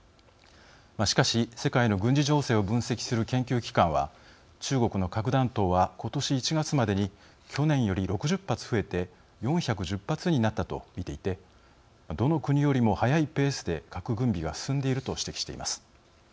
しかし、世界の軍事情勢を分析する研究機関は中国の核弾頭は今年１月までに去年より６０発増えて４１０発になったと見ていてどの国よりも速いペースで核軍備が進んでいると指摘しています。